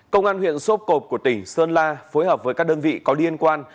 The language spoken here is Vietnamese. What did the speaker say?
công an huyện sốp cộp của tỉnh sơn la phối hợp với các đơn vị có liên quan